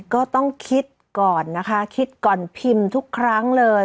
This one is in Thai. ก็ต้องคิดก่อนนะคะคิดก่อนพิมพ์ทุกครั้งเลย